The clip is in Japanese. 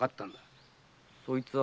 そいつは。